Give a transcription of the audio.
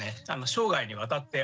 生涯にわたって。